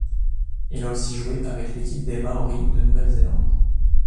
Il a aussi joué avec l'équipe des Māori de Nouvelle-Zélande.